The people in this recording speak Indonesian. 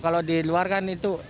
kalau di luar kan itu